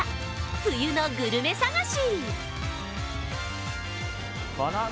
冬のグルメ探し。